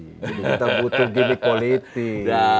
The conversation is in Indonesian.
jadi kita butuh gimmick quality